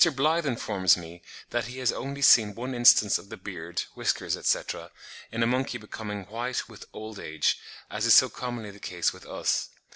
Blyth informs me that he has only seen one instance of the beard, whiskers, etc., in a monkey becoming white with old age, as is so commonly the case with us.